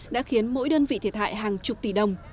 đã khiến mỗi đơn vị thiệt hại hàng chục tỷ đồng